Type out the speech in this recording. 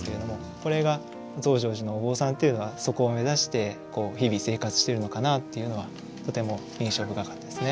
これが増上寺のお坊さんっていうのはそこを目指して日々生活してるのかなっていうのはとても印象深かったですね。